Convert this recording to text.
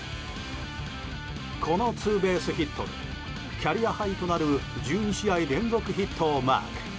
このツーベースヒットでキャリアハイとなる１２試合連続ヒットをマーク。